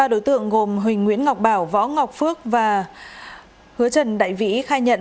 ba đối tượng gồm huỳnh nguyễn ngọc bảo võ ngọc phước và hứa trần đại vĩ khai nhận